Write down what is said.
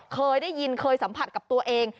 เคยได้ยินเคยสัมผัสกับตัวเอง